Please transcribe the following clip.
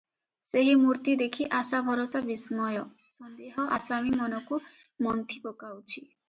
ସେହି ମୂର୍ତ୍ତି ଦେଖି ଆଶା ଭରସା ବିସ୍ମୟ, ସନ୍ଦେହ ଆସାମୀ ମନକୁ ମନ୍ଥି ପକାଉଛି ।